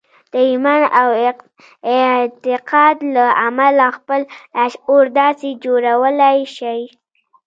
د ايمان او اعتقاد له امله خپل لاشعور داسې جوړولای شئ.